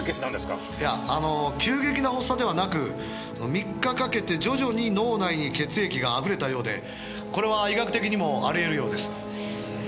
「いやあの急激な発作ではなく３日かけて徐々に脳内に血液があふれたようでこれは医学的にもありえるようです」